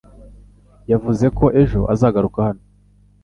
Yavuze ko ejo azagaruka hano